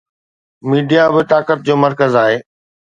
Media به طاقت جو مرڪز آهي.